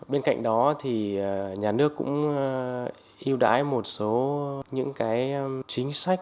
bên cạnh đó thì nhà nước cũng yêu đãi một số những chính sách